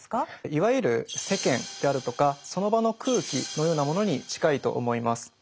いわゆる世間であるとかその場の空気のようなものに近いと思います。